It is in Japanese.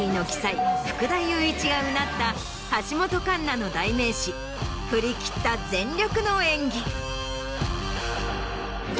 福田雄一が唸った橋本環奈の代名詞振り切った全力の演技。